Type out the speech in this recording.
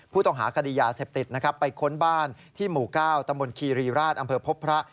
ผู้ต้องหากดียาเสพติดไปค้นบ้านที่หมู่ก้าวตำบลคีรีราชอำเภอพบพระ